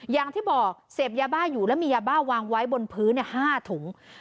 อย่างที่บอกเสพยาบ้าอยู่แล้วมียาบ้าวางไว้บนพื้น๕ถุง